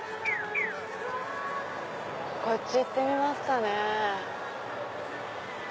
こっち行ってみますかね。